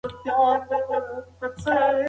د اقتصاد ساتنه د ټولو مسؤلیت دی.